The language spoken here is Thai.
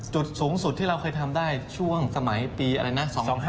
จุดสูงสุดที่เราเคยทำได้ช่วงสมัยปีอะไรนะ